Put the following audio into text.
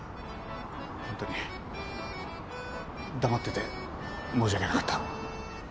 本当に黙ってて申し訳なかった。